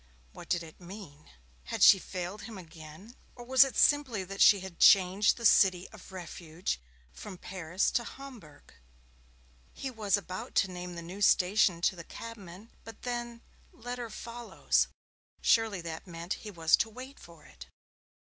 What did it mean? Had she failed him again? Or was it simply that she had changed the city of refuge from Paris to Homburg? He was about to name the new station to the cabman, but then, 'letter follows'. Surely that meant that he was to wait for it.